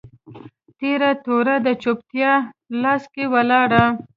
تیره توره د چوپتیا لاس کي ولاړه